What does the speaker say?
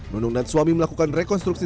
nunung dan suami melakukan rekonstruksi